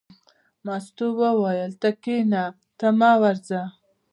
مستو وویل: ته کېنه ته مه ورځه.